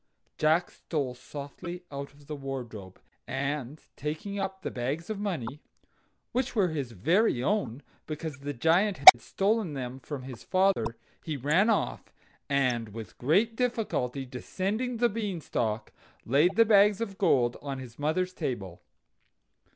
Jack stole softly out of the wardrobe, and taking up the bags of money (which were his very own, because the Giant had stolen them from his father), he ran off, and with great difficulty descending the Beanstalk, laid the bags of gold on his mother's table.